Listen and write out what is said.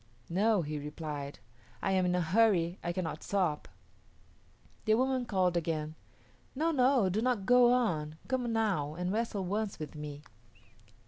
"No," he replied, "I am in a hurry; I cannot stop." The woman called again, "No, no; do not go on; come now and wrestle once with me."